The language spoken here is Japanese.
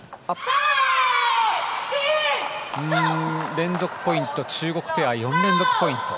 連続ポイント、中国ペア４連続ポイント。